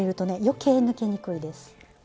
余計抜けにくいです。